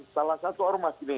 salah satu ormas ini